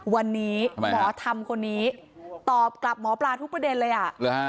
วันนี้หมอธรรมคนนี้ตอบกลับหมอปลาทุกประเด็นเลยอ่ะ